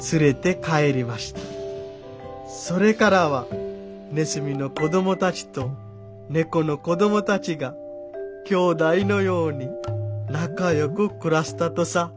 それからはネズミの子供たちと猫の子供たちが兄弟のように仲よく暮らしたとさ」。